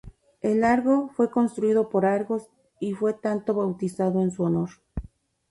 El Argo fue construido por Argos, y por tanto bautizado en su honor.